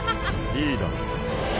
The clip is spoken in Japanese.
いいだろう。